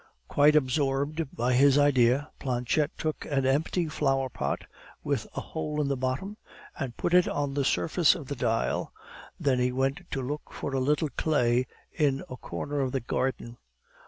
Quite absorbed by his idea, Planchette took an empty flower pot, with a hole in the bottom, and put it on the surface of the dial, then he went to look for a little clay in a corner of the garden.